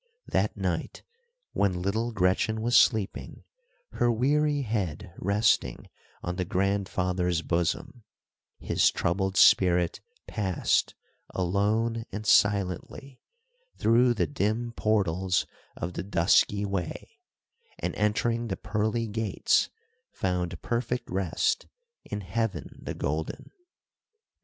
That night when little Gretchen was sleeping, her weary head resting on the grandfather's bosom, his troubled spirit passed alone and silently through the dim portals of the dusky way, and, entering the pearly gates, found perfect rest in heaven the golden.